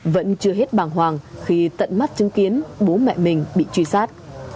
vẫn chưa hết bàng hoàng khi tận mắt chứng kiến bố mẹ mình bị truy sát